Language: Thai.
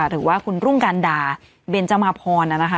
หรือว่าคุณรุ้งการด่าเบนเจ้ามาพรนะคะ